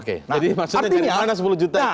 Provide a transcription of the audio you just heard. jadi maksudnya dari mana sepuluh juta itu